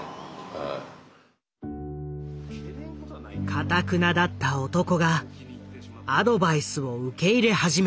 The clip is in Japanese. かたくなだった男がアドバイスを受け入れ始めた。